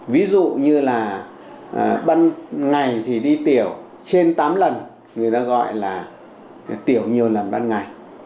ví dụ như là ban ngày thì đi tiểu trên tám lần người ta gọi là tiểu nhiều lần ban ngày